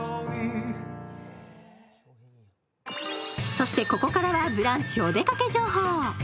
そしてここからはブランチお出かけ情報。